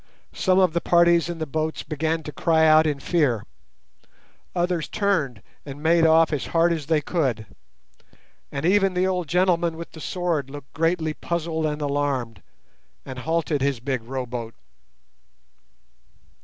Some of the parties in the boats began to cry out in fear; others turned and made off as hard as they could; and even the old gentleman with the sword looked greatly puzzled and alarmed, and halted his big row boat.